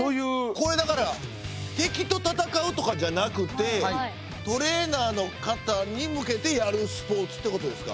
これだから敵と戦うとかじゃなくてトレーナーの方に向けてやるスポーツってことですか？